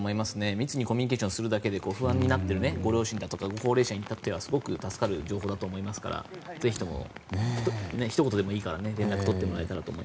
密にコミュニケーションするだけで不安になっているご両親や高齢者にとってはすごく助かる情報だと思いますからぜひとも、ひと言でもいいから連絡を取ってもらえたらと。